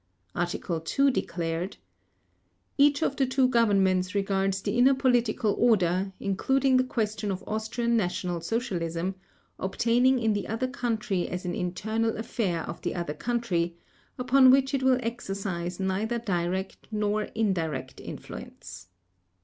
Article 2 declared: "Each of the two Governments regards the inner political order (including the question of Austrian National Socialism) obtaining in the other country as an internal affair of the other country, upon which it will exercise neither direct nor indirect influence."